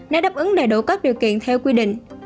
nếu đáp ứng đầy đủ các điều kiện theo quy định